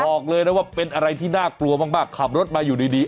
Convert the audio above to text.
บอกเลยนะว่าเป็นอะไรที่น่ากลัวมากขับรถมาอยู่ดี